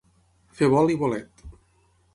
Fer bol i bolet.